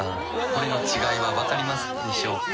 これの違いはわかりますでしょうか。